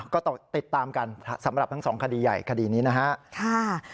ก็ต้องติดตามกันสำหรับทั้งสองคดีใหญ่คดีนี้นะครับ